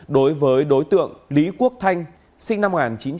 đối với đối tượng lý quốc thanh sinh năm một nghìn chín trăm tám mươi